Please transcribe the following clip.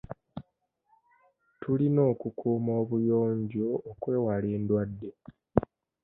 Tulina okukuuma obuyonjo okwewala endwadde.